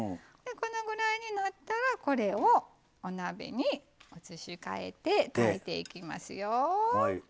このぐらいになったらお鍋に移し替えて炊いていきますよ。